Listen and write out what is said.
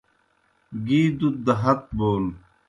گی دُت دہ ہت بون